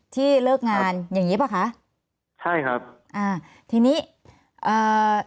ที่เลิกงานอย่างงี้ป่ะคะใช่ครับอ่าทีนี้อ่า